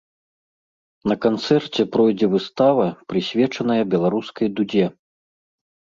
На канцэрце пройдзе выстава, прысвечаная беларускай дудзе.